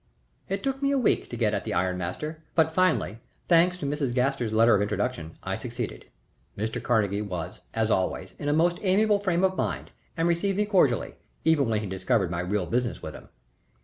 It took me a week to get at the iron master; but finally, thanks to Mrs. Gaster's letter of introduction, I succeeded. Mr. Carnegie was as always in a most amiable frame of mind, and received me cordially, even when he discovered my real business with him.